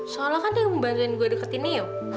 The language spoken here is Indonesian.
soalnya kan dia yang membantuin gue deketin niu ya kan